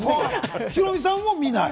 ヒロミさんも見ない？